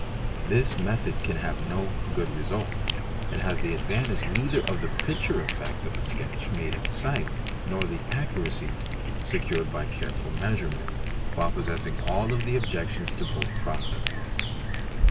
This method can have no good result. It has the advantage neither of the picture effect of a sketch made at sight, nor of the accuracy secured by careful measurement, while possessing all the objections to both processes.